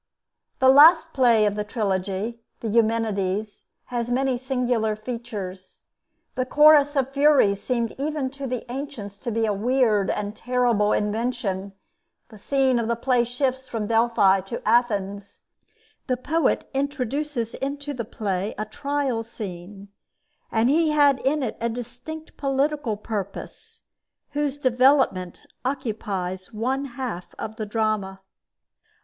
The last play of the trilogy, the 'Eumenides,' has many singular features. The Chorus of Furies seemed even to the ancients to be a weird and terrible invention; the scene of the play shifts from Delphi to Athens; the poet introduces into the play a trial scene; and he had in it a distinct political purpose, whose development occupies one half of the drama.